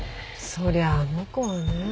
そりゃあの子はねぇ。